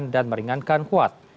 dan meringankan kuat